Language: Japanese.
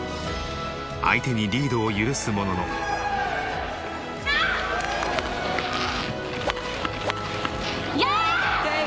相手にリードを許すもののやっ！